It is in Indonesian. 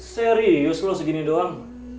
serius lo segini doang